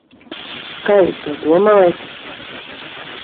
Kā jūs to domājat?